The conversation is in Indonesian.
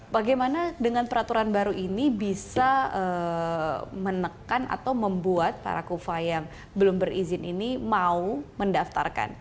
bagaimana dengan peraturan baru ini bisa menekan atau membuat para kuva yang belum berizin ini mau mendaftarkan